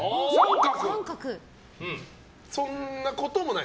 そんなこともない？